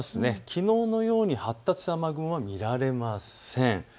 きのうのように発達した雨雲は見られません。